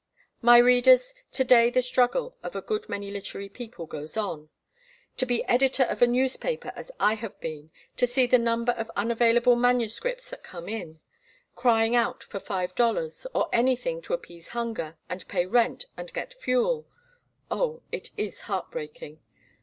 My readers, to day the struggle of a good many literary people goes on. To be editor of a newspaper as I have been, and see the number of unavailable manuscripts that come in, crying out for five dollars, or anything to appease hunger and pay rent and get fuel! Oh, it is heartbreaking!